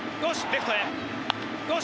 レフトへ。